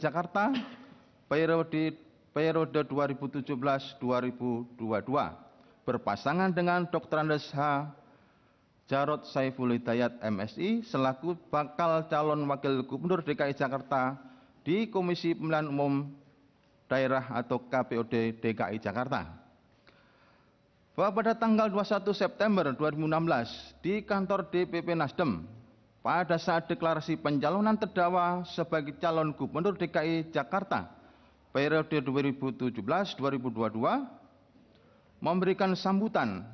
kepulauan seribu kepulauan seribu